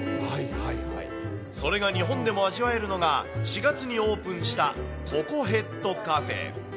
それが日本でも味わえるのが、４月にオープンした、ココヘッドカフェ。